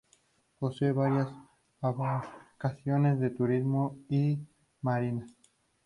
Posee varias embarcaciones de turismo y marinas.